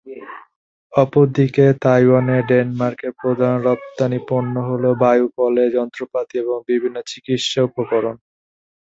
অপরদিকে, তাইওয়ানে ডেনমার্কের প্রধান রপ্তানি পণ্যগুলো হল; বায়ু কলের যন্ত্রপাতি, এবং বিভিন্ন চিকিৎসা উপকরণ।